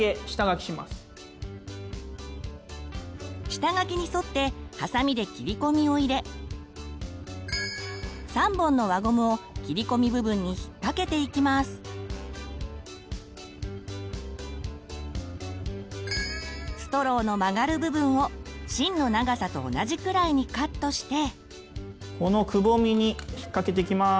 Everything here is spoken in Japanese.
下書きに沿ってハサミで切り込みを入れストローの曲がる部分を芯の長さと同じくらいにカットして。